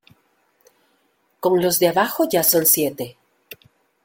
con los de abajo ya son siete.